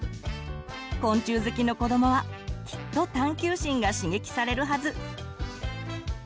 昆虫好きの子どもはきっと探求心が刺激されるはず。